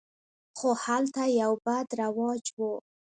خو هلته یو بد رواج و.